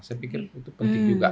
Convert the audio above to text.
saya pikir itu penting juga